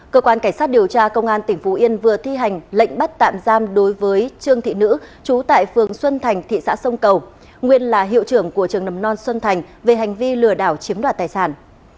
cơ quan cảnh sát điều tra công an tỉnh phú yên vừa thi hành lệnh bắt tạm giam đối với trương thị nữ trú tại phường xuân thành thị xã sông cầu nguyên là hiệu trưởng của trường mầm non xuân thành về hành vi lừa đảo chiếm đoạt tài sản